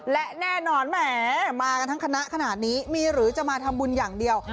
และแน่นอนแหมมากันทั้งคณะขนาดนี้มีหรือจะมาทำบุญอย่างเดียว